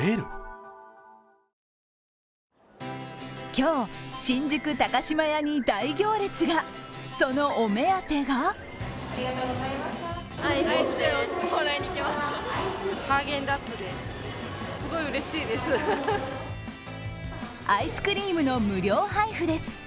今日、新宿タカシマヤに大行列がそのお目当てがアイスクリームの無料配布です。